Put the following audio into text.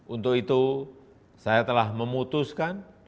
untuk itu saya telah memutuskan